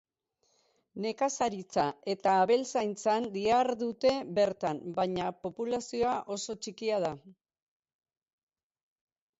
Nekazaritza eta abeltzaintzan dihardute bertan baina populazioa oso txikia da.